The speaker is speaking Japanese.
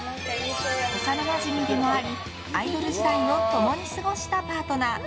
幼なじみでもありアイドル時代を共に過ごしたパートナー。